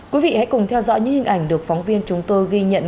quý vị hãy cùng theo dõi những hình ảnh được phóng viên chúng tôi ghi nhận